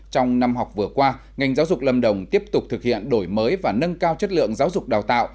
trong năm học vừa qua ngành giáo dục lâm đồng tiếp tục thực hiện đổi mới và nâng cao chất lượng giáo dục đào tạo